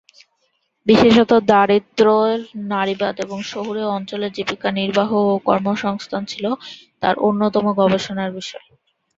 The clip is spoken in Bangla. বিশেষত 'দারিদ্র্যের নারীবাদ' এবং শহুরে অঞ্চলে জীবিকা নির্বাহ ও কর্মসংস্থান' ছিলো তার অন্যতম গবেষণার বিষয়।